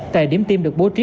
tại điểm tiêm được bố trí